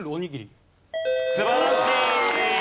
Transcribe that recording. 素晴らしい。